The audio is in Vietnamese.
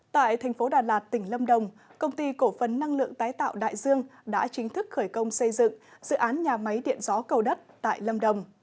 tại thành phố đà lạt tỉnh lâm đồng công ty cổ phấn năng lượng tái tạo đại dương đã chính thức khởi công xây dựng dự án nhà máy điện gió cầu đất tại lâm đồng